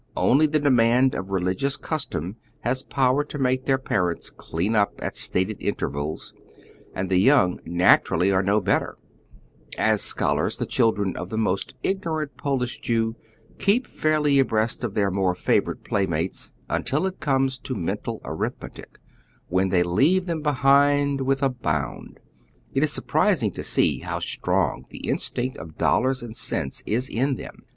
Only the demand of reli gions custom has power to make their parents clean up at stated intervals, and the young naturally are no better. ,y Google 114 HOW THK OTHEK JlALl' LIVES. As scholars, the cliildren of the most ignorant Polish Jew keep fairly abreast o£ their more favored playmates, until it comes to mental arithmetic, when tiiey leave them behind with a bound. It is surprising to see how strong the instinct of dollars and cents is in them.